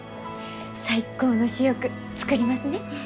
最高の主翼作りますね。